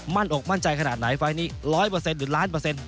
อกมั่นใจขนาดไหนไฟล์นี้๑๐๐หรือล้านเปอร์เซ็นต